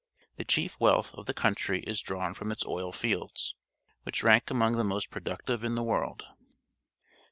The chief w ealth of the country is drawn from its oil fields, which rank among the most productive in the world.